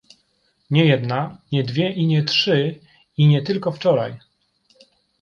Nie jedna, nie dwie i nie trzy, i nie tylko wczoraj